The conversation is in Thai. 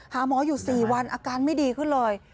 หาหมออยู่๔วันอาการไม่ดีขึ้นเลย